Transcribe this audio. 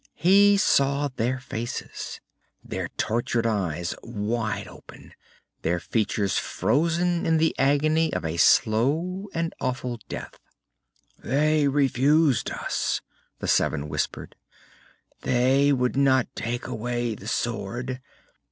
He saw their faces, their tortured eyes wide open, their features frozen in the agony of a slow and awful death. "They refused us," the seven whispered. "They would not take away the sword.